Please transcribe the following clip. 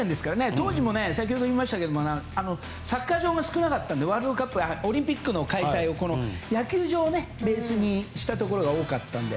当時も、先ほども言いましたけどサッカー場が少なかったのでワールドカップやオリンピックの開催も野球場をベースにしたところが多かったので。